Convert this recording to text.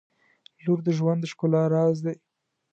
• لور د ژوند د ښکلا راز دی.